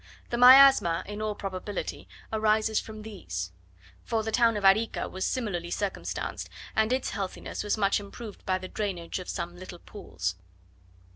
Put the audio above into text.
The miasma, in all probability, arises from these: for the town of Arica was similarly circumstanced, and its healthiness was much improved by the drainage of some little pools.